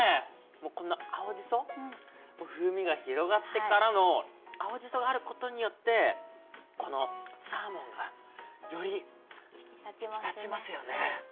この青じそ風味が広がってからの青じそがあることによってこのサーモンがより引き立ちますよね。